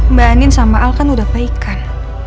mbak anin sama al kan udah baik kan